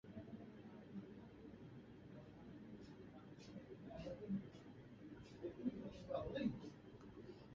اسلام اباد وزیر خزانہ اسحاق ڈار کی زیر صدارت ایف بی ار سے متعلق اجلاس